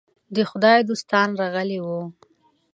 د خدای دوستان راغلي وو.